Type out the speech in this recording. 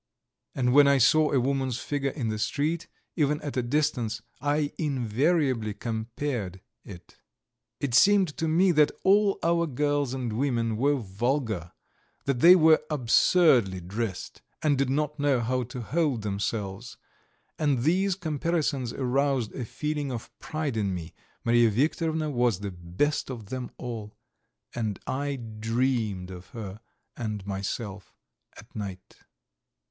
And when I saw a woman's figure in the street, even at a distance, I invariably compared it. It seemed to me that all our girls and women were vulgar, that they were absurdly dressed, and did not know how to hold themselves; and these comparisons aroused a feeling of pride in me: Mariya Viktorovna was the best of them all! And I dreamed of her and myself at night.